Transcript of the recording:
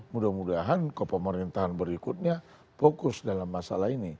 mudah mudahan kepemerintahan berikutnya fokus dalam masalah ini